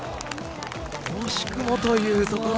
惜しくもというところ。